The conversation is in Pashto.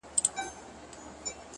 ورځي د وريځي يارانه مــاتـه كـړه!!